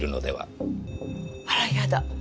あらやだ！